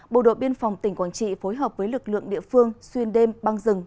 bộ đội biên phòng tỉnh quảng trị phối hợp với lực lượng địa phương xuyên đêm băng rừng